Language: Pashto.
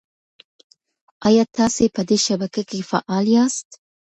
ایا تاسي په دې شبکه کې فعال یاست؟